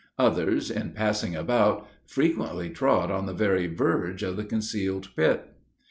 Others, in passing about, frequently trod on the very verge of the concealed pit.